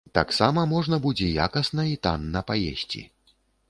Таксама можна будзе якасна і танна паесці.